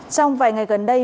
trong vài ngày gần đây